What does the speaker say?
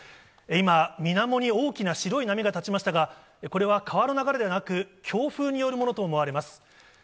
今、みなもに大きな白い波がたちましたが、これは川の流れでなく、強風によるものと思われます。